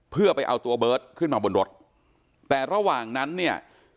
เพื่อไปเอาตัวเบิร์ตขึ้นมาบนรถแต่ระหว่างนั้นเนี่ย